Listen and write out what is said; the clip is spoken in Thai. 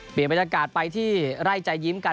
เปลี่ยนบรรยากาศไปที่ไร่ใจยิ้มกัน